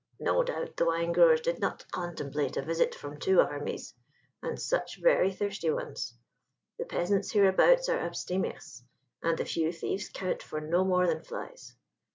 "No doubt the wine growers did not contemplate a visit from two armies, and such very thirsty ones. The peasants hereabouts are abstemious, and the few thieves count for no more than flies.